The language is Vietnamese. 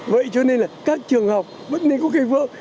vậy cho nên là các trường học vẫn nên có cây vợ